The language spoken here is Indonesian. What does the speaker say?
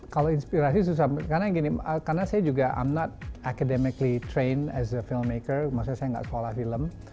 kalau inspirasi susah karena saya juga tidak berlatih akademik sebagai filmmaker maksudnya saya tidak sekolah film